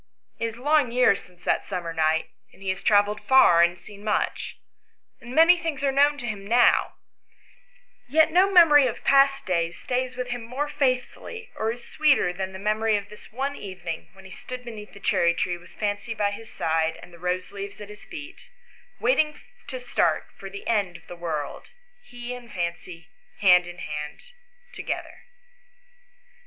It is long years since that summer night, and he has travelled far, and seen much, and many things are known to him now, yet no memory of past days stays with him more faith fully or is sweeter than the memory of this one even ing when he stood beneath the cherry tree with Fancy by his side and the rose leaves at his feet, waiting to start for the end of the world, he and Fancy hand in hand together.